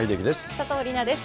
佐藤梨那です。